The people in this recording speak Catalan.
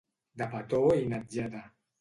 De petó i natjada.